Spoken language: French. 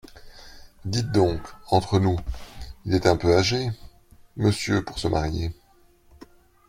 Dites donc… entre nous… il est un peu âgé, Monsieur, pour se marier…